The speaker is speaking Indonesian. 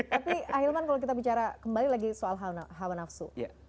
tapi ahilman kalau kita bicara kembali lagi soal hawa nafsu